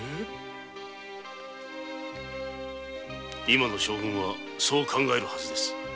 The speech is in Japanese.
今の将軍はそう考えるはずです。